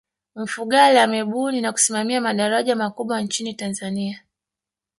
mfugale amebuni na kusimamia madaraja makubwa nchini tanzania